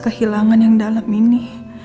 kehilangan yang dalam ini